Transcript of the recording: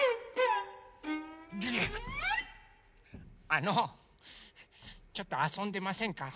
あのちょっとあそんでませんか？